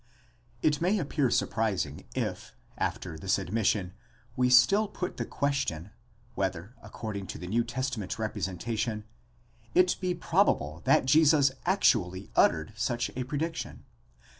It may appear surprising if, after this admission, we still put the question, whether, according to the New Testament representation, it be probable that Jesus actually uttered such a prediction?